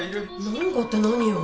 なんかって何よ